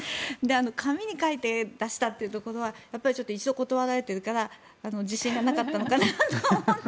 紙に書いて出したというところは一度断られているから自信がなかったのかなと思って。